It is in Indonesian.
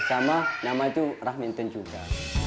sama nama itu rahminton juga